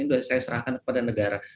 sudah saya serahkan kepada negara